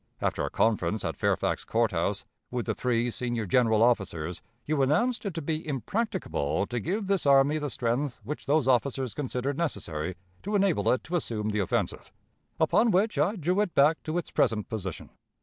After a conference at Fairfax Court House with the three senior general officers, you announced it to be impracticable to give this army the strength which those officers considered necessary to enable it to assume the offensive. Upon which I drew it back to its present position.